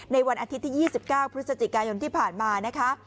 ในวันอาทิตย์ที่ยี่สิบเก้าพฤศจิกายนที่ผ่านมานะคะ